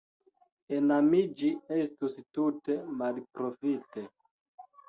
Enamiĝi estus tute malprofite.